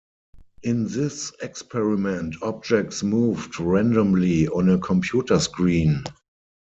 In this experiment objects moved randomly on a computer screen.